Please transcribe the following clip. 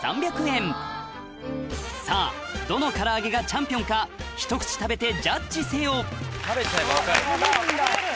さぁどのからあげがチャンピオンかひと口食べてジャッジせよ食べちゃえば分かる。